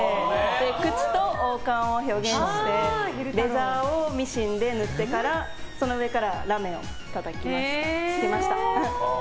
口と王冠を表現してレザーをミシンで縫ってからその上からラメを付けました。